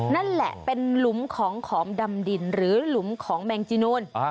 นั่นแหละเป็นหลุมของขอมดำดินหรือหลุมของแมงจีนูน